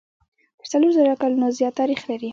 تر څلور زره کلونو زیات تاریخ لري.